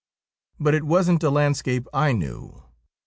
But it wasn't a landscape I knew.